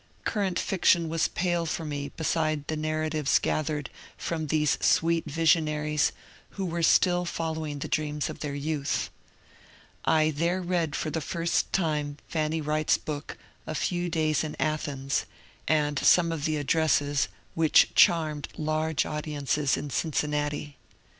Current fiction was pale for me beside the narratives gathered from these sweet visionaries who were still following the dreams of their youth. I there read for the first time Fanny Wright's book, " A Few Days in Athens," and some of the addresses whioh charmed large audiences in Cincinnati.